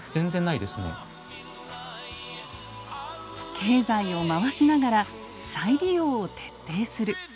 経済を回しながら再利用を徹底する。